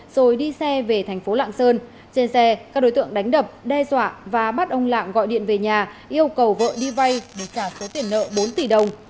rồi đi xe về thành phố lạng sơn trên xe các đối tượng đánh đập đe dọa và bắt ông lạng gọi điện về nhà yêu cầu vợ đi vay để trả số tiền nợ bốn tỷ đồng